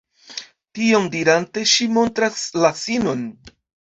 Tion dirante ŝi montras la sinon.